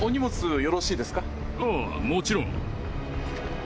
ああもちろん。